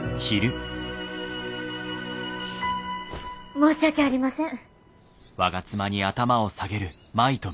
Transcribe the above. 申し訳ありません。